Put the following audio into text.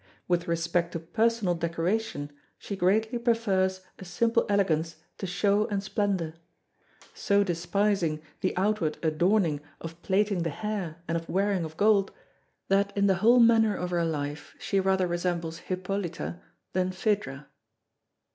With respect to personal decoration, she greatly prefers a simple elegance to show and splendour, so despising the outward adorning of plaiting the hair and of wearing of gold, that in the whole manner of her life she rather resembles Hippolyta than Phædra."